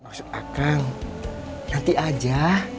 maksud akang nanti aja